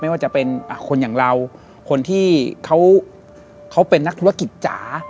ว่าจะเป็นคนอย่างเราคนที่เขาเป็นนักธุรกิจจ๋า